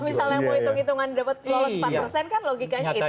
kalau misalnya mau hitung hitungan dapat lolos empat persen kan logikanya itu aja